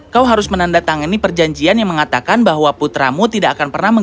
kau harus menandatangani perjanjian yang mengatakan bahwa putramu tidak akan pernah